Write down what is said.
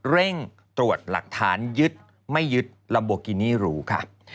เร่งตรวจหลักฐานยึดไม่ยึดลัมโบกินี่หรูค่ะ